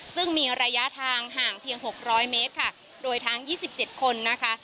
ซึ่งมีระยะทางห่างเพียงหกร้อยเมตรค่ะโดยทั้ง๒๗คนนะคะ